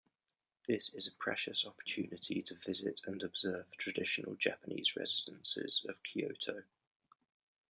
This is a precious opportunity to visit and observe traditional Japanese residences of Kyoto.